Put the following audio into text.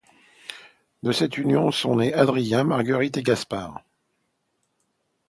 De cette union sont nés Adrien, Marguerite et Gaspar.